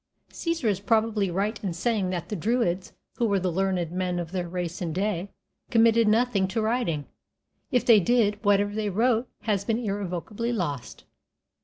Caesar is probably right in saying that the Druids, who were the learned men of their race and day, committed nothing to writing; if they did, whatever they wrote has been irrecoverably lost.